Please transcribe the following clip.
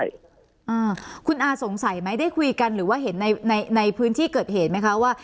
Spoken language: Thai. อ่าคุณอาสงสัยไหมได้คุยกันหรือว่าเห็นในในในพื้นที่เกิดเหตุไหมคะว่า